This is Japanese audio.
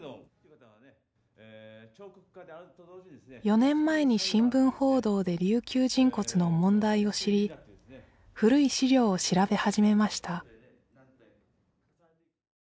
４年前に新聞報道で琉球人骨の問題を知り古い資料を調べ始めました